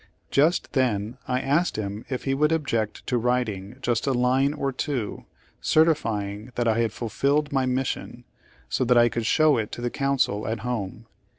Just then I asked him if he would object to writing just a line or two, certifying that I had fulfilled my mission, so that I could show it to the council at home.